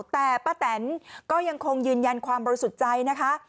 แต่ป้าแตนก็ยังคงยืนยันความบริสุทธิ์ใจนะคะ